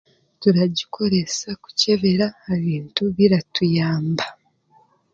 Turagikoreesa kukyebera ha bintu biratuyamba.